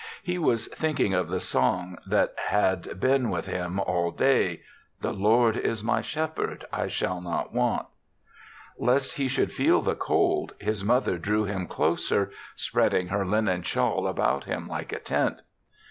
He was thinking of the song that had been with him all day, " The Lord is my shepherd; I shall not want." Lest he should feel the cold, his mother drew him closer, spread THE SEVENTH CHRISTMAS 21 ing her linen shawl about him like a tent.